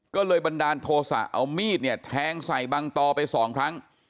ก็เลยบันดาลโทษะเอามีดเนี่ยแทงใส่บังตอไปสองครั้ง